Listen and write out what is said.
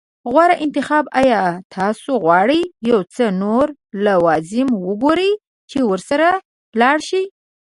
غوره انتخاب. ایا تاسو غواړئ یو څه نور لوازم وګورئ چې ورسره لاړ شئ؟